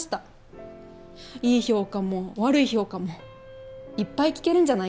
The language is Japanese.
いい評価も悪い評価もいっぱい聞けるんじゃないかって。